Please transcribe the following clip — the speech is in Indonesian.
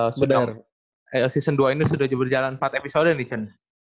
season dua ini sudah berjalan empat episode nih cen